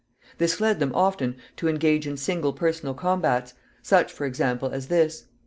This led them often to engage in single personal combats, such, for example, as this.